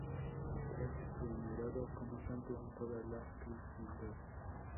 Es venerado como santo en toda la cristiandad.